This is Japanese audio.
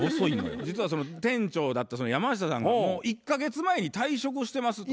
実はその店長だった山下さんがもう１か月前に退職をしてますと。